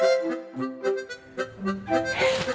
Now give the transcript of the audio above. assalamualaikum warahmatullahi wabarakatuh